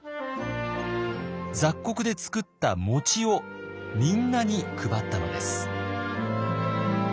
雑穀で作ったもちをみんなに配ったのです。